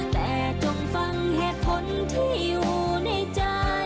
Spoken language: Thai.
แต่จงฟังเหตุผลที่อยู่ในใจ